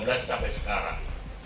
wildan masuri amin